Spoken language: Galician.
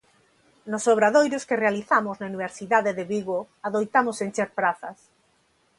Nos obradoiros que realizamos na Universidade de Vigo adoitamos encher prazas.